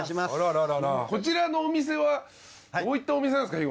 こちらのお店はどういったお店なんですか？